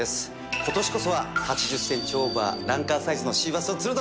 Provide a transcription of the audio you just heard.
今年こそは８０センチオーバー、ランカーサイズのシーバスを釣るぞ！